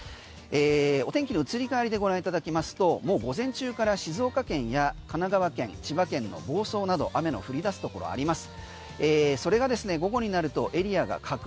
お天気の移り変わりでご覧いただきますともう午前中から静岡県や神奈川県千葉県の房総など雨の降り出すところあります。